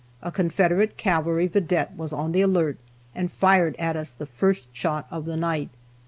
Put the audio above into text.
A Confederate cavalry vedette was on the alert, and fired at us the first shot of the night.